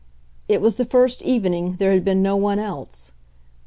It was the first evening there had been no one else.